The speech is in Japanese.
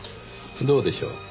どうでしょう。